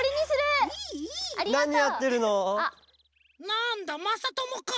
なんだまさともか。